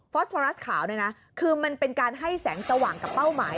ฟอสฟอรัสขาวคือมันเป็นการให้แสงสว่างกับเป้าหมาย